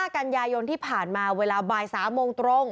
กันยายนที่ผ่านมาเวลาบ่าย๓โมงตรง